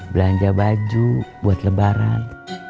belanja baju buat lebaran